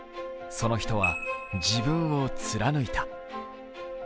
その人は自分を貫いた。